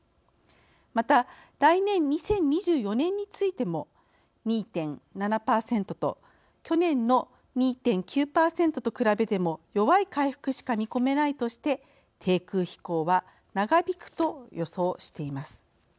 また、来年２０２４年についても２．７％と去年の２．９％と比べても弱い回復しか見込めないとして低空飛行は長引くと予想しています。